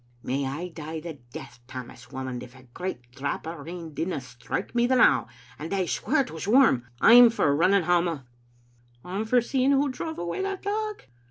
" May I die the death, Tammas Whamond, if a great drap o' rain didna strike me the now, and I swear it was warm. I'm for running hame." " I'm for seeing who drove awa that dog.